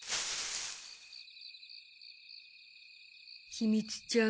ひみつちゃん。